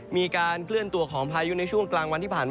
มีการเคลื่อนตัวของพายุในช่วงกลางวันที่ผ่านมา